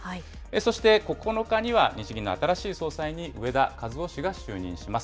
そして９日には、日銀の新しい総裁に植田和男氏が就任します。